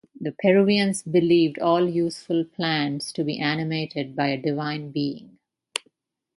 The Peruvians believed all useful plants to be animated by a divine being.